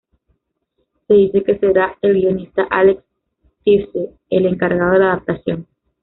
Se dice que será el guionista Alex Tse el encargado de la adaptación.